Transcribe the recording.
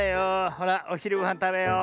ほらおひるごはんたべよう。